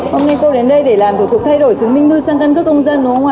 không nên cô đến đây để làm thủ tục thay đổi chứng minh thư sang căn cước công dân đúng không ạ